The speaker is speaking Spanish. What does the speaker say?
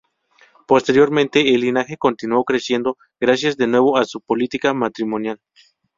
Posteriormente el linaje continuó creciendo gracias de nuevo a su política matrimonial.